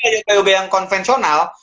yoga yoga yang konvensional